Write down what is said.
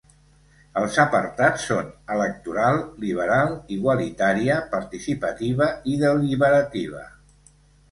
Els apartats són: electoral, liberal, igualitària, participativa i deliberativa.